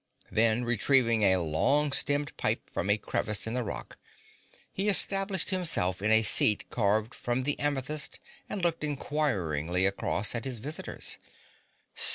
Then, retrieving a long stemmed pipe from a crevice in the rock, he established himself in a seat carved from the amethyst and looked inquiringly across at his visitors.